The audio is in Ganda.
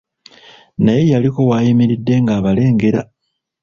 Naye yaliko w'ayimiridde ng'abalengera.